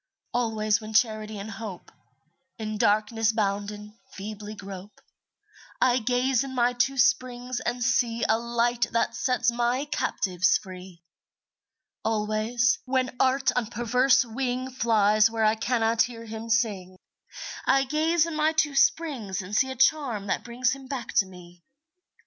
Always when Charity and Hope, In darkness bounden, feebly grope, I gaze in my two springs and see A Light that sets my captives free. Always, when Art on perverse wing Flies where I cannot hear him sing, I gaze in my two springs and see A charm that brings him back to me.